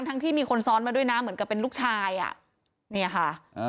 ที่มีคนซ้อนมาด้วยนะเหมือนกับเป็นลูกชายอ่ะเนี่ยค่ะ